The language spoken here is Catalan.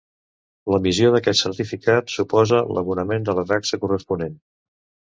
L'emissió d'aquest certificat suposa l'abonament de la taxa corresponent.